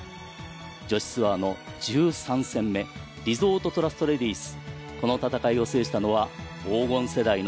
女子ツアーの１３戦目、リゾートトラストレディス。